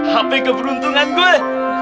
hp keberuntungan gua